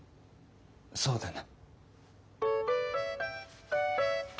そうだな。